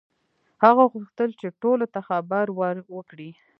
هغه غوښتل چې ټولو ته خبر وکړي.